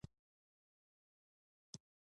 منډه د احساساتو توازن راولي